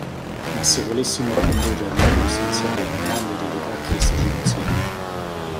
Ma se volessimo ricondurre al nucleo essenziale la grande eredità che essa ci consegna.